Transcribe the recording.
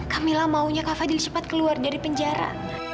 kamila maunya kak fadil cepat keluar dari penjara